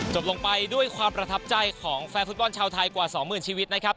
จบลงไปด้วยความประทับใจของแฟนฟุตบอลชาวไทยกว่า๒๐๐๐ชีวิตนะครับ